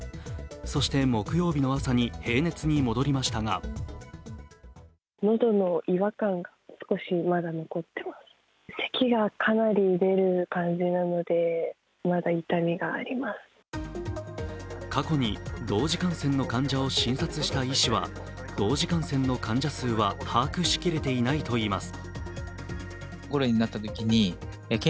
そして木曜日の朝に平熱に戻りましたが過去に同時感染の患者を診察した医師は同時感染の患者数は把握しきれていないと言います。